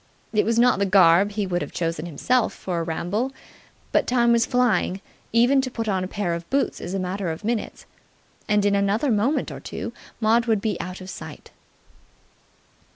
It was not the garb he would have chosen himself for a ramble, but time was flying: even to put on a pair of boots is a matter of minutes: and in another moment or two Maud would be out of sight.